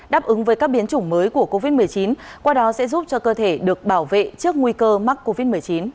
đáp ứng với các biến chủng mới của covid một mươi chín qua đó sẽ giúp cho cơ thể được bảo vệ trước nguy cơ mắc covid một mươi chín